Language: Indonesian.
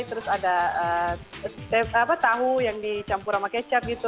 terus ada tahu yang dicampur sama kecap gitu